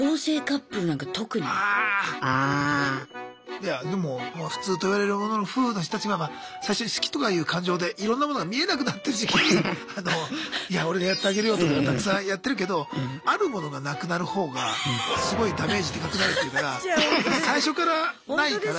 いやでも普通といわれるものの夫婦の人たちは最初に好きとかいう感情でいろんなものが見えなくなってる時期にいや俺がやってあげるよとかたくさんやってるけどあるものがなくなる方がすごいダメージでかくなるっていうから最初からないから。